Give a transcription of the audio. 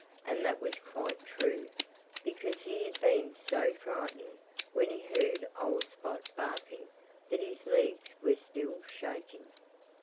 And that was quite true, because he had been so frightened, when he heard old Spot barking, that his legs were still shaking.